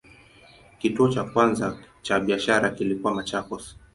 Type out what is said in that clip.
Kituo cha kwanza cha biashara kilikuwa Machakos.